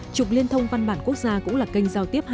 trục liên thông văn bản quốc gia cũng là kênh giao tiếp